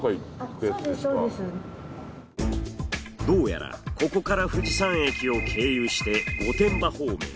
どうやらここから富士山駅を経由して御殿場方面へ。